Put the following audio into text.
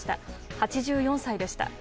８４歳でした。